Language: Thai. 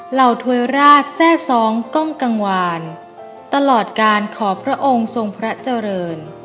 เหวยราชแทร่ซ้องกล้องกังวานตลอดการขอพระองค์ทรงพระเจริญ